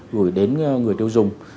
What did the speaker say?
gửi đến người tiêu dùng